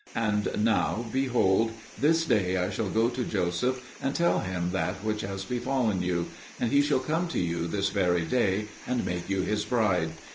And now, behold, this day I shall go to Joseph, and tell him that which has befallen you, and he shall come to you this very day and make you his bride.